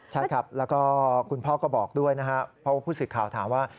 ใช่ครับแล้วก็คุณพ่อก็บอกด้วยนะครับเพราะว่าผู้สื่อข่าวถามว่า